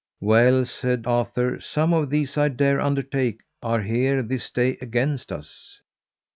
Well, said Arthur, some of these I dare undertake are here this day against us.